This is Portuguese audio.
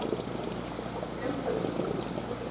Campo Azul